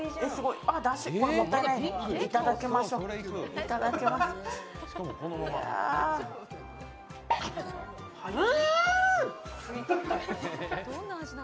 いただきましょう。